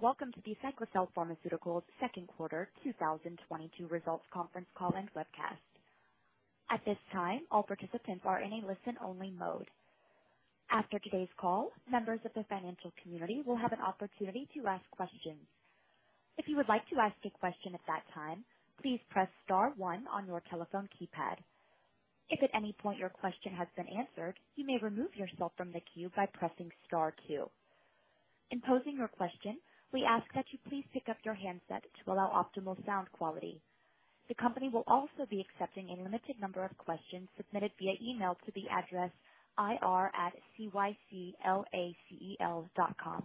Welcome to the Cyclacel Pharmaceuticals second quarter 2022 results conference call and webcast. At this time, all participants are in a listen-only mode. After today's call, members of the financial community will have an opportunity to ask questions. If you would like to ask a question at that time, please press star one on your telephone keypad. If at any point your question has been answered, you may remove yourself from the queue by pressing star two. In posing your question, we ask that you please pick up your handset to allow optimal sound quality. The company will also be accepting a limited number of questions submitted via email to the address ir@cyclacel.com.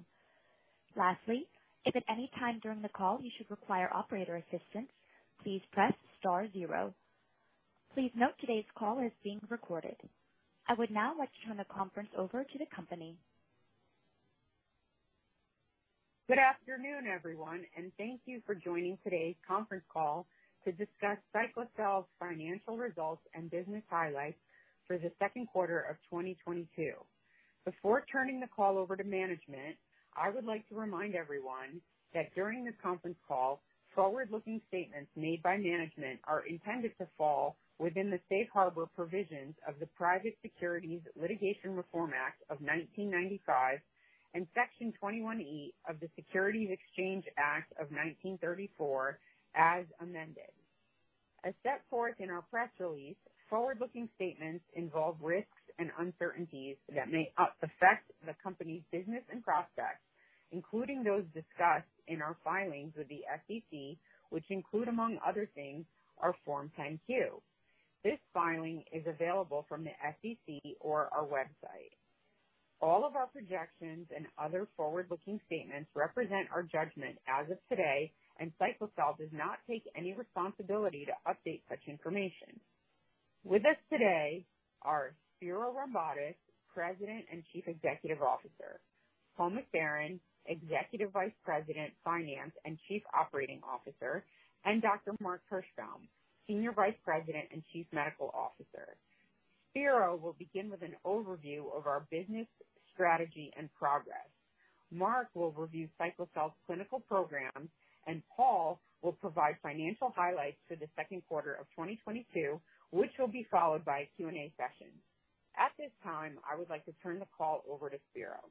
Lastly, if at any time during the call you should require operator assistance, please press star zero. Please note today's call is being recorded. I would now like to turn the conference over to the company. Good afternoon, everyone, and thank you for joining today's conference call to discuss Cyclacel's financial results and business highlights for the second quarter of 2022. Before turning the call over to management, I would like to remind everyone that during this conference call, forward-looking statements made by management are intended to fall within the Safe Harbor provisions of the Private Securities Litigation Reform Act of 1995 and Section 21E of the Securities Exchange Act of 1934 as amended. As set forth in our press release, forward-looking statements involve risks and uncertainties that may affect the company's business and prospects, including those discussed in our filings with the SEC, which include, among other things, our Form 10-Q. This filing is available from the SEC or our website. All of our projections and other forward-looking statements represent our judgment as of today, and Cyclacel does not take any responsibility to update such information. With us today are Spiro Rombotis, President and Chief Executive Officer, Paul McBarron, Executive Vice President, Finance and Chief Operating Officer, and Dr. Mark Kirschbaum, Senior Vice President and Chief Medical Officer. Spiro will begin with an overview of our business strategy and progress. Mark will review Cyclacel's clinical program, and Paul will provide financial highlights for the second quarter of 2022, which will be followed by a Q&A session. At this time, I would like to turn the call over to Spiro.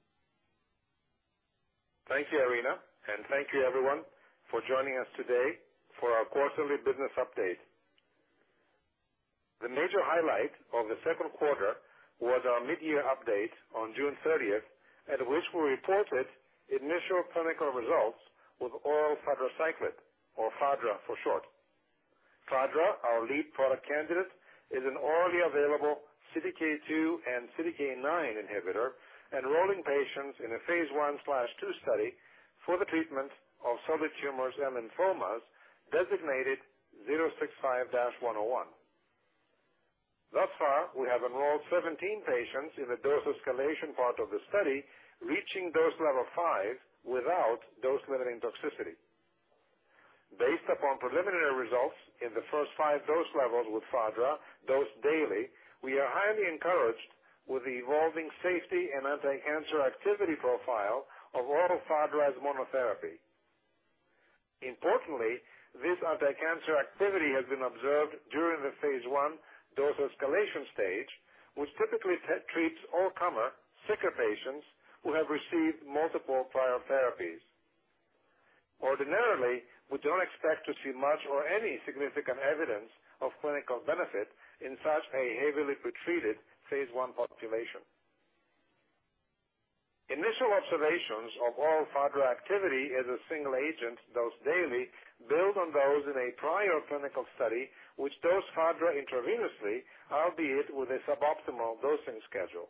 Thank you, Irina, and thank you everyone for joining us today for our quarterly business update. The major highlight of the second quarter was our mid-year update on June 30, at which we reported initial clinical results with oral fadraciclib, or Fadra for short. Fadra, our lead product candidate, is an orally available CDK2 and CDK9 inhibitor enrolling patients in a phase 1/2 study for the treatment of solid tumors and lymphomas designated 065-101. Thus far, we have enrolled 17 patients in the dose escalation part of the study, reaching dose level 5 without dose-limiting toxicity. Based upon preliminary results in the first 5 dose levels with Fadra dosed daily, we are highly encouraged with the evolving safety and anticancer activity profile of oral Fadra as monotherapy. Importantly, this anticancer activity has been observed during the phase 1 dose escalation stage, which typically treats all-comers sicker patients who have received multiple prior therapies. Ordinarily, we don't expect to see much or any significant evidence of clinical benefit in such a heavily pretreated phase 1 population. Initial observations of oral Fadra activity as a single agent dosed daily build on those in a prior clinical study which dosed Fadra intravenously, albeit with a suboptimal dosing schedule.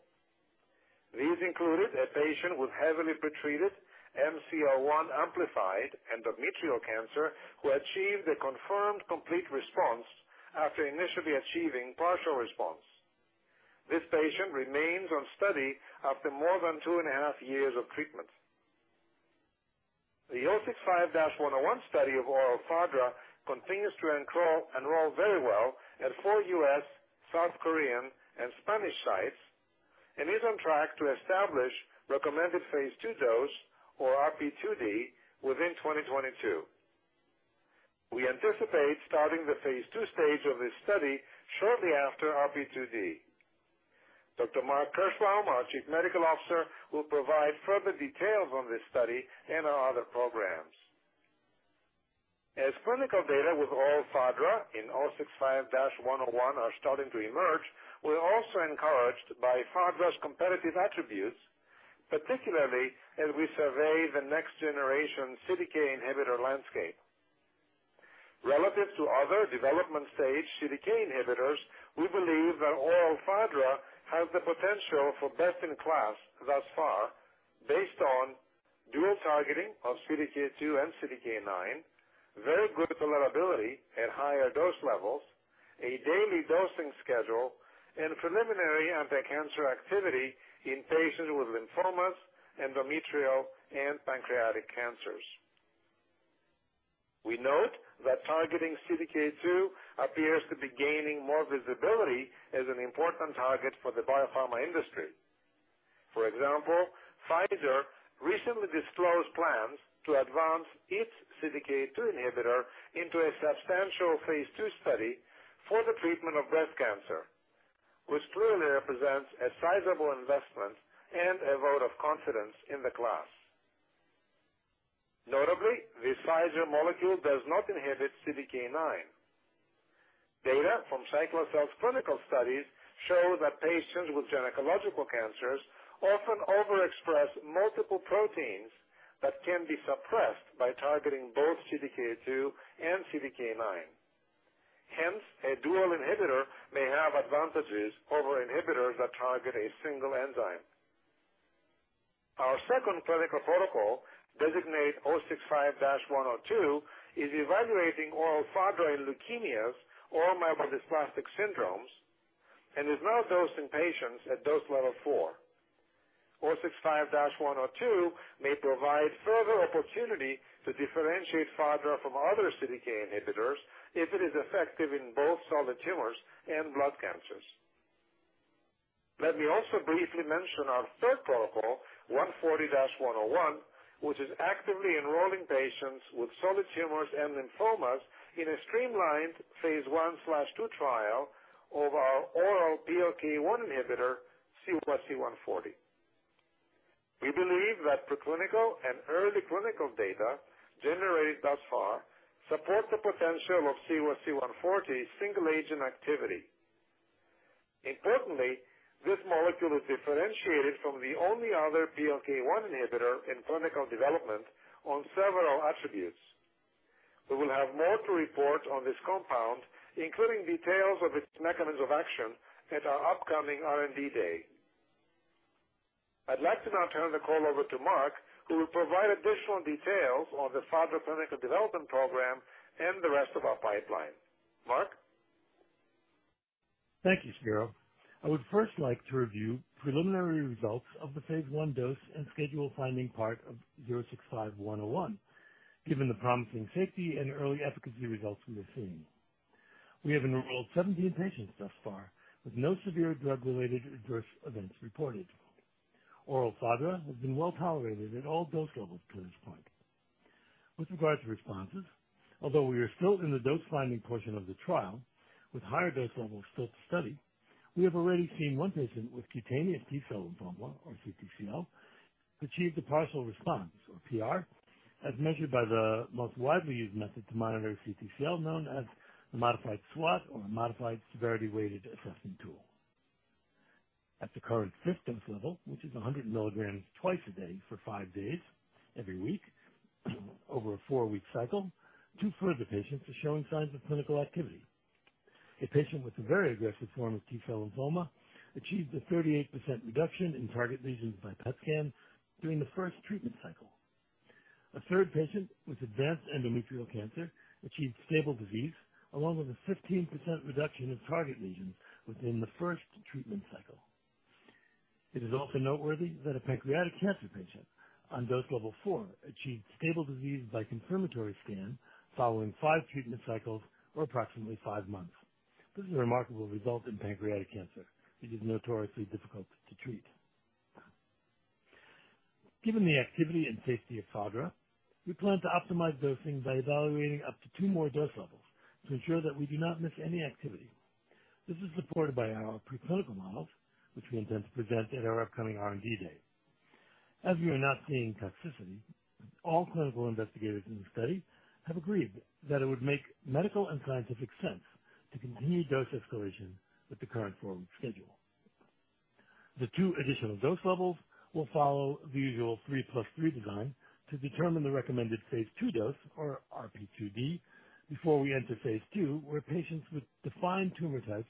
These included a patient with heavily pretreated MCL1 amplified endometrial cancer who achieved a confirmed complete response after initially achieving partial response. This patient remains on study after more than two and a half years of treatment. The 065-101 study of oral Fadra continues to enroll very well at 4 U.S., South Korean, and Spanish sites and is on track to establish recommended phase 2 dose, or RP2D, within 2022. We anticipate starting the phase 2 stage of this study shortly after RP2D. Dr. Mark Kirschbaum, our Chief Medical Officer, will provide further details on this study and our other programs. As clinical data with oral Fadra in 065-101 are starting to emerge, we're also encouraged by Fadra's competitive attributes, particularly as we survey the next generation CDK inhibitor landscape. Relative to other development stage CDK inhibitors, we believe that oral Fadra has the potential for best in class thus far based on dual targeting of CDK2 and CDK9, very good tolerability at higher dose levels, a daily dosing schedule, and preliminary anticancer activity in patients with lymphomas, endometrial, and pancreatic cancers. We note that targeting CDK2 appears to be gaining more visibility as an important target for the biopharma industry. For example, Pfizer recently disclosed plans to advance its CDK2 inhibitor into a substantial phase 2 study for the treatment of breast cancer, which clearly represents a sizable investment and a vote of confidence in the class. Notably, the Pfizer molecule does not inhibit CDK9. Data from Cyclacel's clinical studies show that patients with gynecological cancers often overexpress multiple proteins that can be suppressed by targeting both CDK2 and CDK9. Hence, a dual inhibitor may have advantages over inhibitors that target a single enzyme. Our second clinical protocol, designated 065-102, is evaluating oral Fadra in leukemias or myelodysplastic syndromes and is now dosing patients at dose level 4. 065-102 may provide further opportunity to differentiate Fadra from other CDK inhibitors if it is effective in both solid tumors and blood cancers. Let me also briefly mention our third protocol, 140-101, which is actively enrolling patients with solid tumors and lymphomas in a streamlined phase 1/2 trial of our oral PLK1 inhibitor, CYC140. We believe that preclinical and early clinical data generated thus far support the potential of CYC140 single-agent activity. Importantly, this molecule is differentiated from the only other PLK1 inhibitor in clinical development on several attributes. We will have more to report on this compound, including details of its mechanisms of action, at our upcoming R&D day. I'd like to now turn the call over to Mark, who will provide additional details on the Fadra clinical development program and the rest of our pipeline. Mark? Thank you, Spiro. I would first like to review preliminary results of the phase 1 dose and schedule-finding part of 065-101, given the promising safety and early efficacy results we are seeing. We have enrolled 17 patients thus far, with no severe drug-related adverse events reported. Oral Fadra has been well tolerated at all dose levels to this point. With regard to responses, although we are still in the dose-finding portion of the trial, with higher dose levels still to study, we have already seen one patient with cutaneous T-cell lymphoma, or CTCL, achieve the partial response, or PR, as measured by the most widely used method to monitor CTCL, known as the mSWAT or Modified Severity Weighted Assessment Tool. At the current fifth dose level, which is 100 milligrams twice a day for 5 days every week over a 4-week cycle, 2 further patients are showing signs of clinical activity. A patient with a very aggressive form of T-cell lymphoma achieved a 38% reduction in target lesions by PET scan during the first treatment cycle. A third patient with advanced endometrial cancer achieved stable disease along with a 15% reduction of target lesions within the first treatment cycle. It is also noteworthy that a pancreatic cancer patient on dose level 4 achieved stable disease by confirmatory scan following 5 treatment cycles or approximately 5 months. This is a remarkable result in pancreatic cancer. It is notoriously difficult to treat. Given the activity and safety of Fadra, we plan to optimize dosing by evaluating up to two more dose levels to ensure that we do not miss any activity. This is supported by our preclinical models, which we intend to present at our upcoming R&D day. As we are not seeing toxicity, all clinical investigators in the study have agreed that it would make medical and scientific sense to continue dose escalation with the current dosing schedule. The two additional dose levels will follow the usual 3 + 3 design to determine the recommended phase 2 dose, or RP2D, before we enter phase 2, where patients with defined tumor types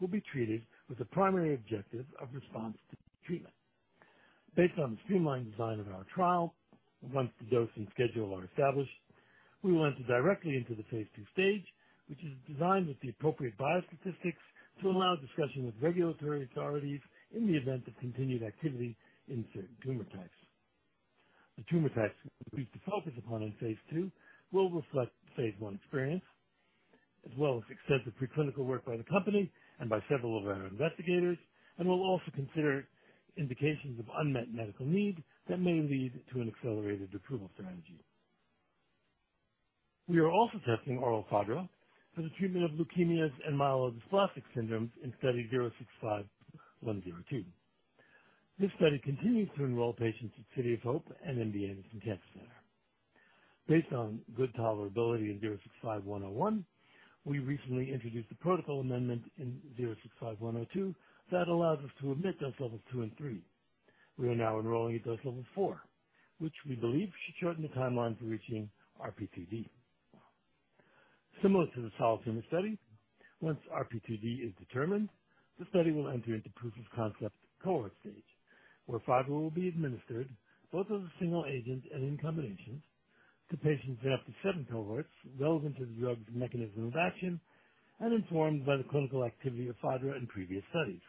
will be treated with the primary objective of response to treatment. Based on the streamlined design of our trial, once the dosing schedule are established, we will enter directly into the phase 2 stage, which is designed with the appropriate biostatistics to allow discussion with regulatory authorities in the event of continued activity in certain tumor types. The tumor types we plan to focus upon in phase 2 will reflect the phase 1 experience, as well as extensive preclinical work by the company and by several of our investigators, and will also consider indications of unmet medical needs that may lead to an accelerated approval strategy. We are also testing oral Fadra for the treatment of leukemias and myelodysplastic syndromes in study 065-102. This study continues to enroll patients at City of Hope and MD Anderson Cancer Center. Based on good tolerability in 065-101, we recently introduced a protocol amendment in 065-102 that allows us to omit dose levels 2 and 3. We are now enrolling at dose level 4, which we believe should shorten the timeline for reaching RP2D. Similar to the solid tumor study, once RP2D is determined, the study will enter into proof-of-concept cohort stage, where Fadra will be administered both as a single agent and in combinations to patients in up to seven cohorts relevant to the drug's mechanism of action and informed by the clinical activity of Fadra in previous studies.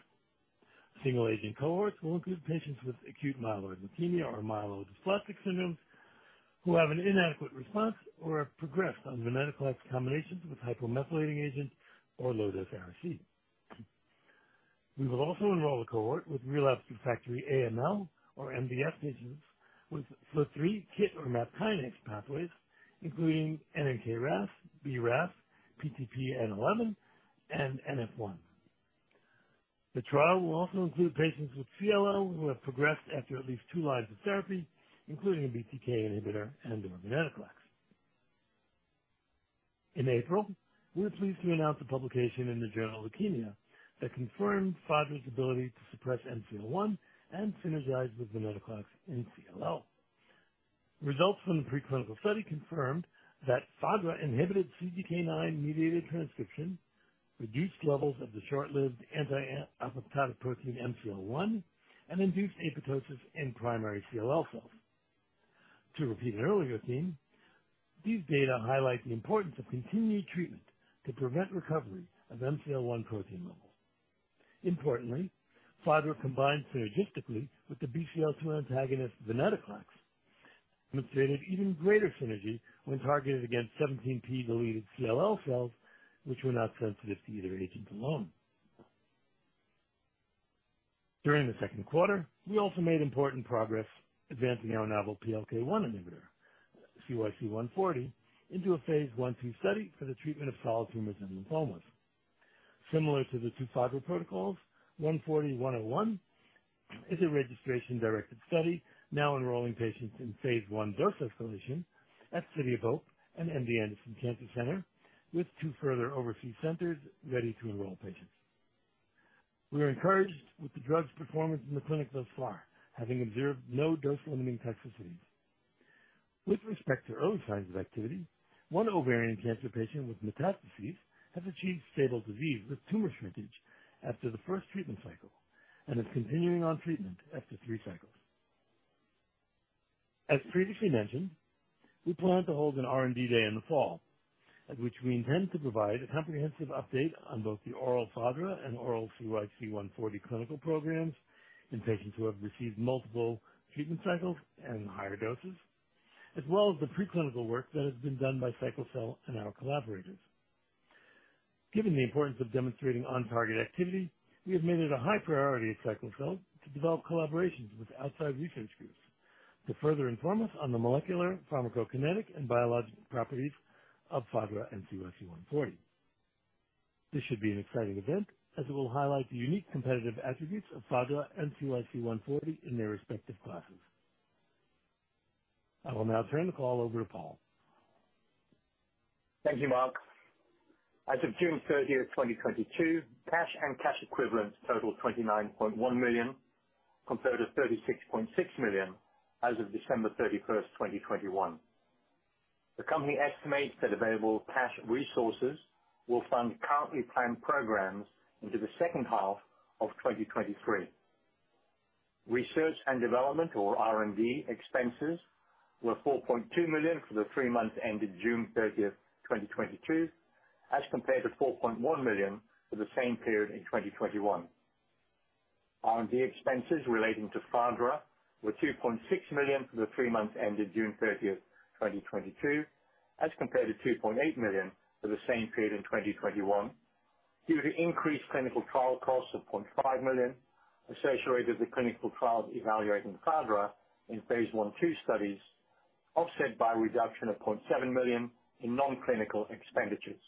Single agent cohorts will include patients with acute myeloid leukemia or myelodysplastic syndromes who have an inadequate response or have progressed on venetoclax combinations with hypomethylating agents or low-dose Ara-C. We will also enroll a cohort with relapsed refractory AML or MDS patients with FLT3, KIT or MAP kinase pathways, including NRAS, BRAF, PTPN11, and NF1. The trial will include patients with CLL who have progressed after at least two lines of therapy, including a BTK inhibitor and/or venetoclax. In April, we were pleased to announce a publication in Leukemia that confirmed Fadra's ability to suppress MCL1 and synergize with venetoclax in CLL. Results from the preclinical study confirmed that Fadra inhibited CDK9-mediated transcription, reduced levels of the short-lived anti-apoptotic protein MCL1, and induced apoptosis in primary CLL cells. To repeat an earlier theme, these data highlight the importance of continued treatment to prevent recovery of MCL1 protein levels. Importantly, Fadra combined synergistically with the BCL-2 antagonist venetoclax, demonstrating even greater synergy when targeted against 17p deleted CLL cells, which were not sensitive to either agent alone. During the second quarter, we also made important progress advancing our novel PLK1 inhibitor, CYC140, into a phase 1/2 study for the treatment of solid tumors and lymphomas. Similar to the 2 Fadra protocols, 140-101 is a registration-directed study now enrolling patients in phase 1 dose escalation at City of Hope and MD Anderson Cancer Center, with 2 further overseas centers ready to enroll patients. We are encouraged with the drug's performance in the clinic thus far, having observed no dose-limiting toxicities. With respect to early signs of activity, one ovarian cancer patient with metastases has achieved stable disease with tumor shrinkage after the first treatment cycle and is continuing on treatment after 3 cycles. As previously mentioned, we plan to hold an R&D day in the fall, at which we intend to provide a comprehensive update on both the oral Fadra and oral CYC140 clinical programs in patients who have received multiple treatment cycles and higher doses, as well as the preclinical work that has been done by Cyclacel and our collaborators. Given the importance of demonstrating on-target activity, we have made it a high priority at Cyclacel to develop collaborations with outside research groups to further inform us on the molecular pharmacokinetic and biological properties of Fadra and CYC140. This should be an exciting event as it will highlight the unique competitive attributes of Fadra and CYC140 in their respective classes. I will now turn the call over to Paul. Thank you, Mark. As of June 30, 2022, cash and cash equivalents totaled $29.1 million, compared to $36.6 million as of December 31, 2021. The company estimates that available cash resources will fund currently planned programs into the second half of 2023. Research and development, or R&D, expenses were $4.2 million for the three months ending June 30, 2022, as compared to $4.1 million for the same period in 2021. R&D expenses relating to Fadra were $2.6 million for the three months ending June 30, 2022, as compared to $2.8 million for the same period in 2021 due to increased clinical trial costs of $0.5 million associated with clinical trials evaluating Fadra in phase 1/2 studies, offset by a reduction of $0.7 million in non-clinical expenditures.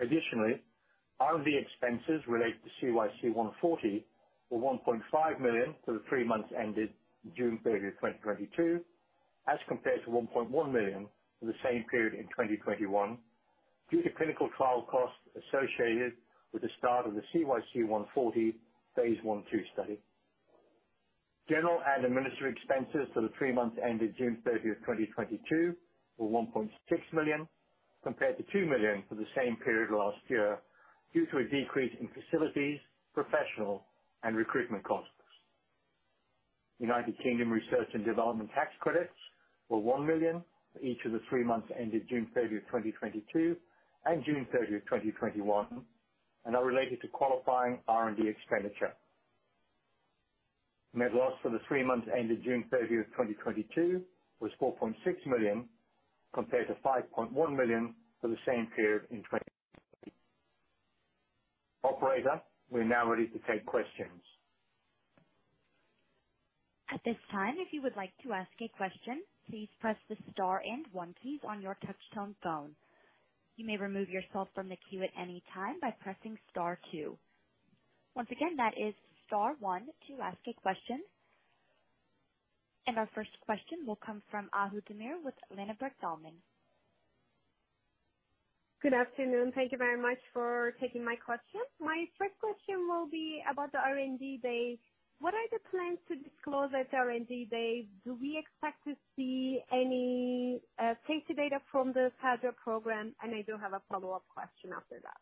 R&D expenses related to CYC140 were $1.5 million for the 3 months ending June 30, 2022, as compared to $1.1 million for the same period in 2021 due to clinical trial costs associated with the start of the CYC140 phase 1/2 study. General and administrative expenses for the 3 months ending June 30, 2022, were $1.6 million, compared to $2 million for the same period last year, due to a decrease in facilities, professional, and recruitment costs. United Kingdom research and development tax credits were 1 million for each of the 3 months ending June 30, 2022, and June 30, 2021, and are related to qualifying R&D expenditure. Net loss for the three months ending June thirtieth, 2022, was $4.6 million, compared to $5.1 million for the same period in 2021. Operator, we're now ready to take questions. At this time, if you would like to ask a question, please press the star and one key on your touchtone phone. You may remove yourself from the queue at any time by pressing star two. Once again, that is star one to ask a question. Our first question will come from Ahu Demir with Ladenburg Thalmann. Good afternoon. Thank you very much for taking my question. My first question will be about the R&D day. What are the plans to disclose at the R&D day? Do we expect to see any safety data from the Fadra program? I do have a follow-up question after that.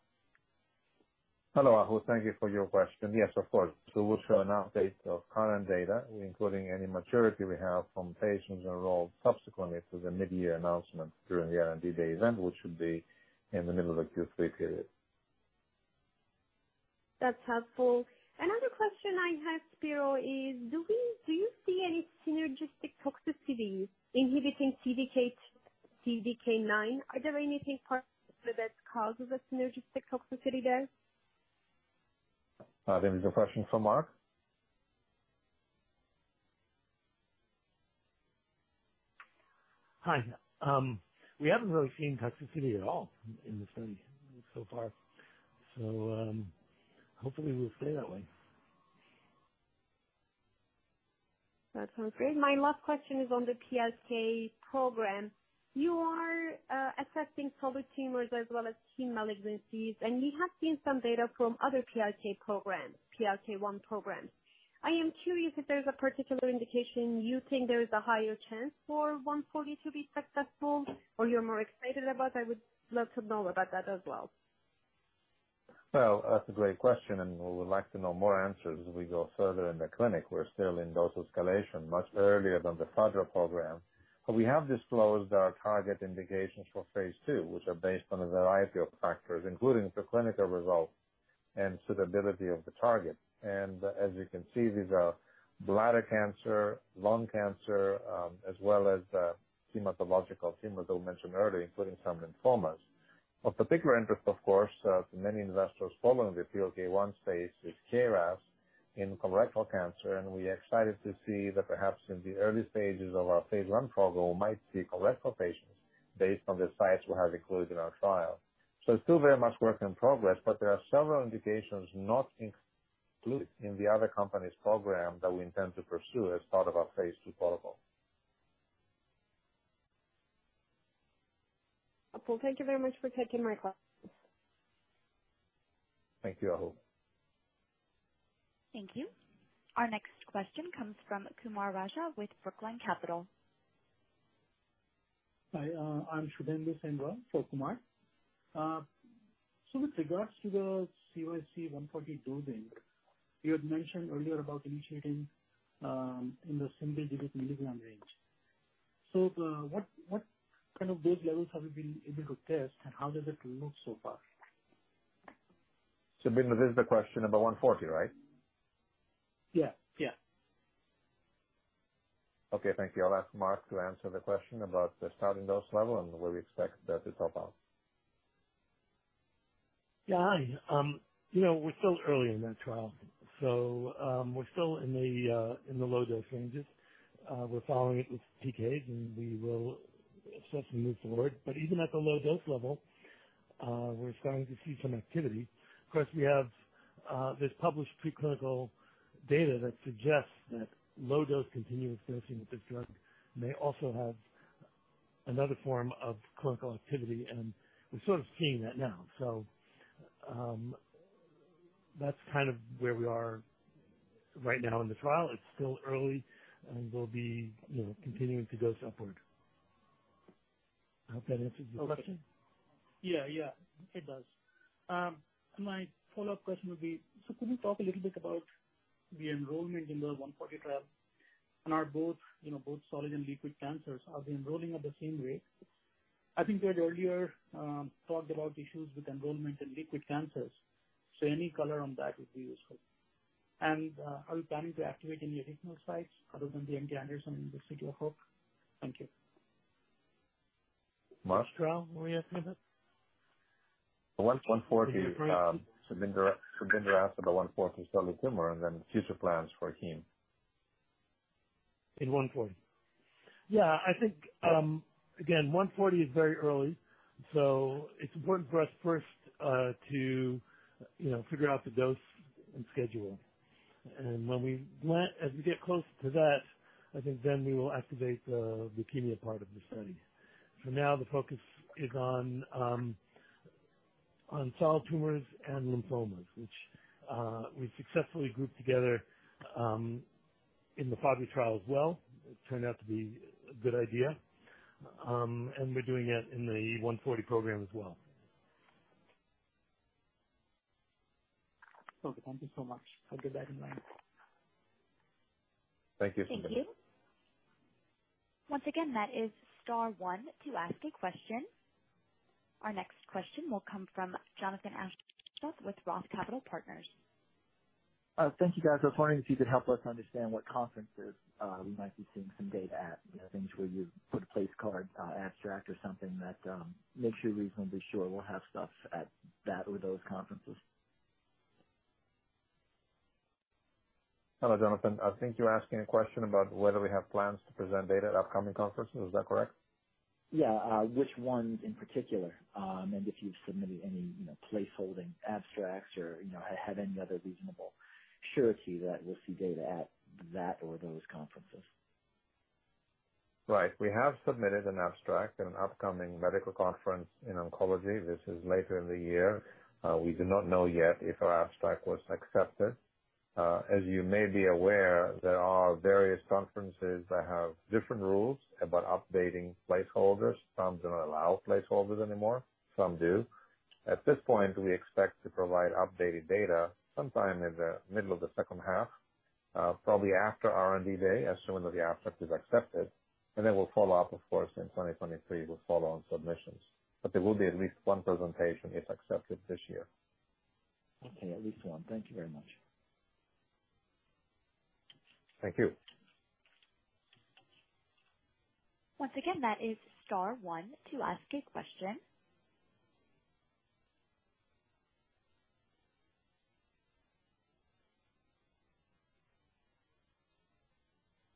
Hello, Ahu. Thank you for your question. Yes, of course. We'll show an update of current data, including any maturity we have from patients enrolled subsequently to the mid-year announcement during the R&D day event, which will be in the middle of the Q3 period. That's helpful. Another question I had, Spiro, is do you see any synergistic toxicity inhibiting CDK9? Are there any compounds that causes a synergistic toxicity there? There is a question from Mark. Hi. We haven't really seen toxicity at all in the study so far, so, hopefully it will stay that way. That sounds great. My last question is on the PLK program. You are assessing solid tumors as well as heme malignancies, and we have seen some data from other PLK programs, PLK1 programs. I am curious if there's a particular indication you think there is a higher chance for one forty to be successful or you're more excited about. I would love to know about that as well. Well, that's a great question, and we would like to know more answers as we go further in the clinic. We're still in dose escalation, much earlier than the Fadra program. We have disclosed our target indications for phase 2, which are based on a variety of factors, including the clinical results and suitability of the target. As you can see, these are bladder cancer, lung cancer, as well as hematological tumors I mentioned earlier, including some lymphomas. Of particular interest, of course, to many investors following the PLK1 phase is KRAS in colorectal cancer, and we are excited to see that perhaps in the early stages of our phase 1 program might see colorectal patients based on the sites we have included in our trial. Still very much work in progress, but there are several indications not included in the other company's program that we intend to pursue as part of our phase 2 protocol. Cool. Thank you very much for taking my call. Thank you, Ahu. Thank you. Our next question comes from Kumar Raja with Brookline Capital Markets. Hi, I'm Sudhindra Sen for Kumar. With regard to the CYC140 dosing, you had mentioned earlier about initiating in the single-digit milligram range. What kind of dose levels have you been able to test, and how does it look so far? Sudhindra, this is a question about 140, right? Yeah. Yeah. Okay, thank you. I'll ask Mark to answer the question about the starting dose level and where we expect that to top out. Yeah. Hi, you know, we're still early in that trial, so, we're still in the low dose ranges. We're following it with PKs, and we will assess and move forward. Even at the low dose level, we're starting to see some activity. Of course, we have this published preclinical data that suggests that low dose continuous dosing with this drug may also have another form of clinical activity, and we're sort of seeing that now. That's kind of where we are right now in the trial. It's still early, and we'll be, you know, continuing to dose upward. I hope that answers your question. Yeah. Yeah, it does. My follow-up question would be, could you talk a little bit about the enrollment in the 140 trial and are both, you know, both solid and liquid cancers, are they enrolling at the same rate? I think we had earlier talked about issues with enrollment in liquid cancers, so any color on that would be useful. Are you planning to activate any additional sites other than the MD Anderson and the City of Hope? Thank you. Mark? Sure. What were you asking about? 140. Sudhindra asked about 140 solid tumor and then future plans for heme. In 140. Yeah, I think again, 140 is very early, so it's important for us first to, you know, figure out the dose and schedule. As we get closer to that, I think then we will activate the leukemia part of the study. For now, the focus is on solid tumors and lymphomas, which we successfully grouped together in the Fadra trial as well. It turned out to be a good idea. We're doing it in the 140 program as well. Okay. Thank you so much. I'll get that in mind. Thank you, Sudhindra. Thank you. Once again, that is star one to ask a question. Our next question will come from Jonathan Aschoff with Roth Capital Partners. Thank you, guys. I was wondering if you could help us understand what conferences we might be seeing some data at. You know, things where you put a place card, abstract or something that makes you reasonably sure we'll have stuff at that or those conferences. Hello, Jonathan. I think you're asking a question about whether we have plans to present data at upcoming conferences. Is that correct? Yeah. Which ones in particular, and if you've submitted any, you know, placeholder abstracts or, you know, have any other reasonable surety that we'll see data at that or those conferences. Right. We have submitted an abstract at an upcoming medical conference in oncology. This is later in the year. We do not know yet if our abstract was accepted. As you may be aware, there are various conferences that have different rules about updating placeholders. Some don't allow placeholders anymore, some do. At this point, we expect to provide updated data sometime in the middle of the second half, probably after R&D Day, assuming that the abstract is accepted. Then we'll follow up, of course, in 2023 with follow-on submissions. There will be at least one presentation, if accepted, this year. Okay, at least one. Thank you very much. Thank you. Once again, that is star one to ask a question.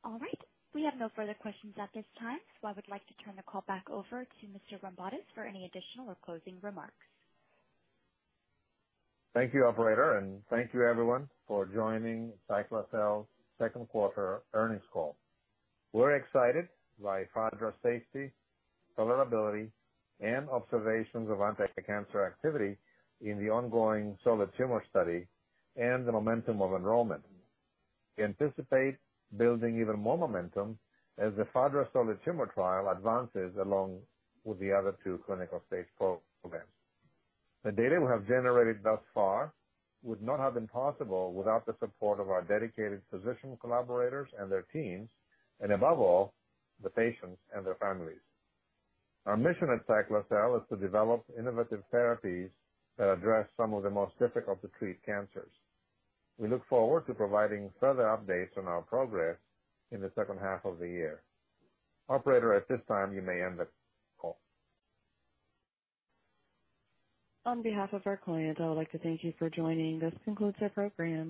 All right. We have no further questions at this time, so I would like to turn the call back over to Mr. Rombotis for any additional or closing remarks. Thank you, operator, and thank you everyone for joining Cyclacel's second quarter earnings call. We're excited by Fadra safety, tolerability, and observations of anti-cancer activity in the ongoing solid tumor study and the momentum of enrollment. We anticipate building even more momentum as the Fadra solid tumor trial advances along with the other two clinical stage four programs. The data we have generated thus far would not have been possible without the support of our dedicated physician collaborators and their teams, and above all, the patients and their families. Our mission at Cyclacel is to develop innovative therapies that address some of the most difficult to treat cancers. We look forward to providing further updates on our progress in the second half of the year. Operator, at this time, you may end the call. On behalf of our client, I would like to thank you for joining. This concludes our program.